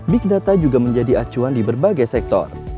big data juga menjadi acuan di berbagai sektor